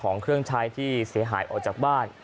ของเครื่องใช้ที่เสียหายออกจากบ้าน